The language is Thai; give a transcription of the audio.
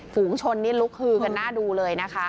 ฝูงชนนี่ลุกฮือกันหน้าดูเลยนะคะ